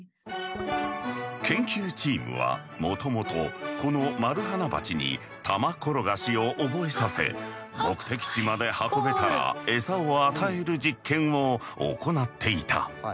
研究チームはもともとこのマルハナバチに玉転がしを覚えさせ目的地まで運べたら餌を与える実験を行っていた。